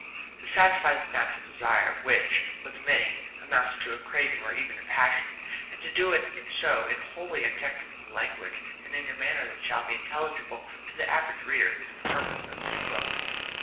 To satisfy this natural desire which, with many, amounts to a craving or even a passion, and to do so in wholly untechnical language and in a manner that shall be intelligible to the average reader, is the purpose of this book.